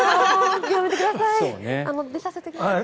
やめてください。